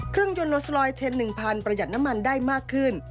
เครื่องยนต์โลสลอยเทน๑๐๐ประหยัดน้ำมันได้มากขึ้น